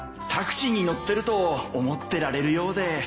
タクシーに乗ってると思ってられるようで